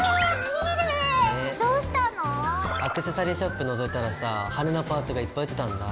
アクセサリーショップをのぞいたらさ羽根のパーツがいっぱい売ってたんだぁ。